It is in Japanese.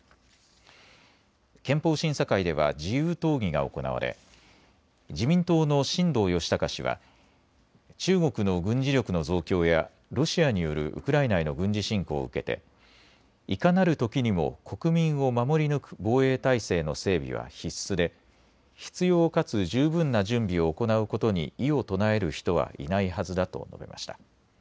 憲法審査会では自由討議が行われ自民党の新藤義孝氏は中国の軍事力の増強やロシアによるウクライナへの軍事侵攻を受けていかなるときにも国民を守り抜く防衛体制の整備は必須で必要かつ十分な準備を行うことに異を唱える人はいないはずだと述べました。